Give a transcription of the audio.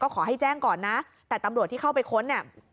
ขอให้แจ้งก่อนนะแต่ตำรวจที่เข้าไปค้นเนี่ย